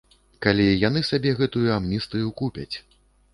Калі яны сабе гэтую амністыю купяць.